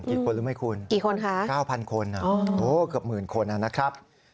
กี่คนหรือไม่คุณ๙๐๐๐คนอ่ะโอ้เกือบหมื่นคนอ่ะนะครับ